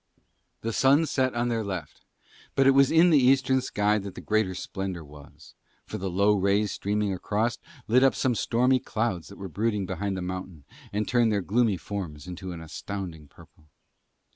The sun set on their left. But it was in the eastern sky that the greater splendour was; for the low rays streaming across lit up some stormy clouds that were brooding behind the mountain and turned their gloomy forms to an astounding purple.